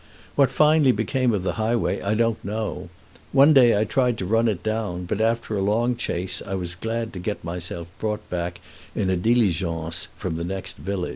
What finally became of the highway I don't know. One day I tried to run it down, but after a long chase I was glad to get myself brought back in a diligence from the next village.